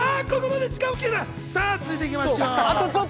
では続いていきましょう。